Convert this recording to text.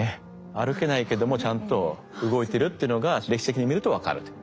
歩けないけどもちゃんと動いてるというのが歴史的に見ると分かるという。